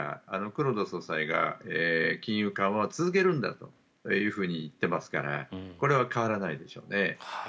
黒田総裁が金融緩和を続けるんだと言っていますからこれは変わらないでしょうね。